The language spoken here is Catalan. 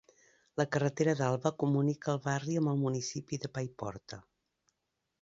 La carretera d'Alba comunica el barri amb el municipi de Paiporta.